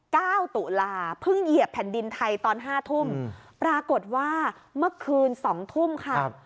เก้าตุลาเพิ่งเหยียบแผ่นดินไทยตอนห้าทุ่มปรากฏว่าเมื่อคืนสองทุ่มค่ะ